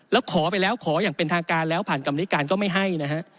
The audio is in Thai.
แล้วขอไปแล้วขออย่างเป็นทางการแล้วผ่านกรรมนิการก็ไม่ให้นะฮะ